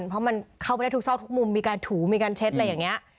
เพราะเข้าไปทุกศพทุกมุมมีการถูมีการเช็ดอะไรแบบนี้